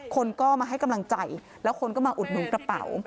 คนก็มาให้กำลังใจแล้วคนก็มาอุดหนุนกระเป๋า